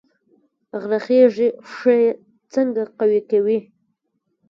غره خیژي پښې څنګه قوي کوي؟